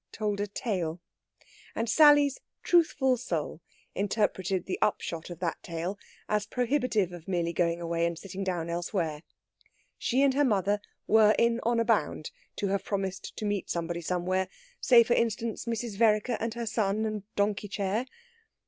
told a tale. And Sally's truthful soul interpreted the upshot of that tale as prohibitive of merely going away and sitting down elsewhere. She and her mother were in honour bound to have promised to meet somebody somewhere say, for instance, Mrs. Vereker and her son and donkey chair.